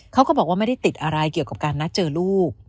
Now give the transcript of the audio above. เขาก็บอกว่าไม่ได้ติดอะไรเกี่ยวกับการนัดเจอลูก